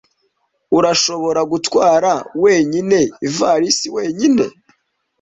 Urashobora gutwara wenyine ivarisi wenyine?